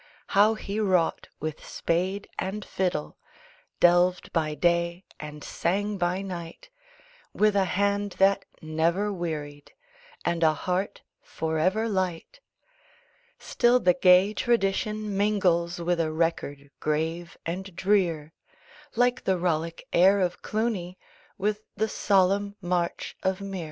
How he wrought with spade and fiddle, Delved by day and sang by night, With a hand that never wearied And a heart forever light, Still the gay tradition mingles With a record grave and drear Like the rollic air of Cluny With the solemn march of Mear.